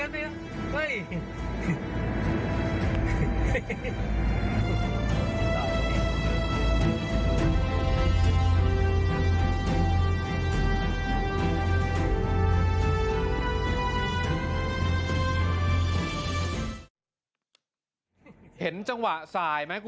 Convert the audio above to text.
ร่วงหาวลงไว้